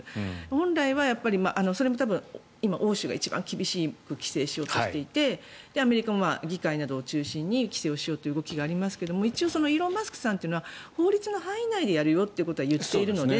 本来はそれも多分欧州が一番厳しく規制をしようとしていてアメリカも議会などを中心に規制をしようという動きがありますが一応、イーロン・マスクさんは法律の範囲内でやるよということは言っているので。